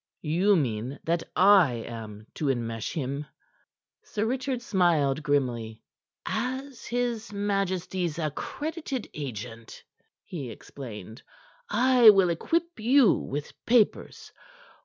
"You mean that I am to enmesh him...." Sir Richard smiled grimly. "As his majesty's accredited agent," he explained. "I will equip you with papers.